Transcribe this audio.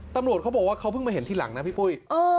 ตำรวจเขาบอกว่าเขาเพิ่งมาเห็นทีหลังนะพี่ปุ้ย